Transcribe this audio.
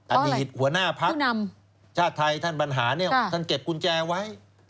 อดีตหัวหน้าพักชาติไทยท่านบรรหารเนี่ยท่านเก็บกุญแจไว้